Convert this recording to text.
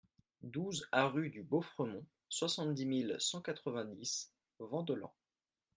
douze A rue de Bauffremont, soixante-dix mille cent quatre-vingt-dix Vandelans